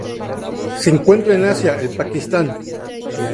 Se encuentran en Asia: el Pakistán.